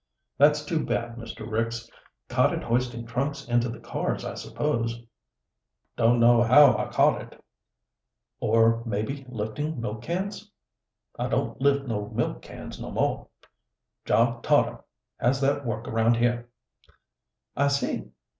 "That's too bad, Mr. Ricks. Caught it hoisting trunks into the cars, I suppose." "Don't know how I caught it." "Or maybe lifting milk cans." "I don't lift no milk cans no more. Job Todder has that work around here." "I see.